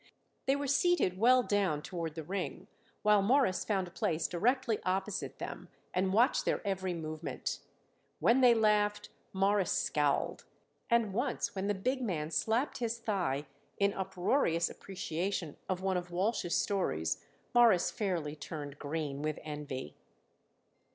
They were seated well down toward the ring, while Morris found a place directly opposite them and watched their every movement. When they laughed Morris scowled, and once when the big man slapped his thigh in uproarious appreciation of one of Walsh's stories Morris fairly turned green with envy.